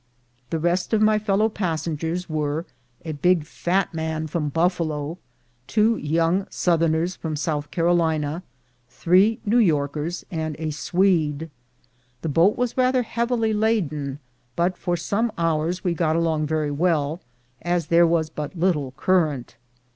The rest of my fellow passengers were a big fat man from Buffalo, two young South erners from South Carolina, three New Yorkers, and a Swede. The boat was rather heavily laden, but for some hours we got along very well, as there was but little current.